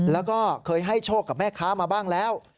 แล้วก็เคยให้โชคกับแม่ค้ามาบ้างแล้ว